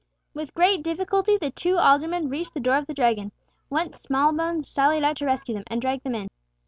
With great difficulty the two aldermen reached the door of the Dragon, whence Smallbones sallied out to rescue them, and dragged them in.